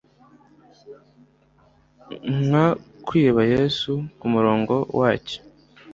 nk kwiba yesu? kumurongo wacyo